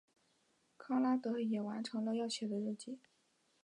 康拉德也完成了要写的日记。